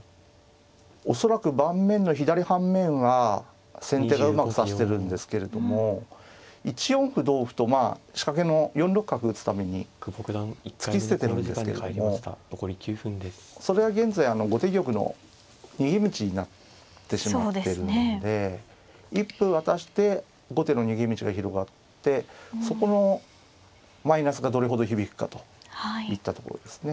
恐らく盤面の左半面は先手がうまく指してるんですけれども１四歩同歩とまあ仕掛けの４六角打つために突き捨ててるんですけれどもそれは現在後手玉の逃げ道になってしまってるんで一歩渡して後手の逃げ道が広がってそこのマイナスがどれほど響くかといったところですね。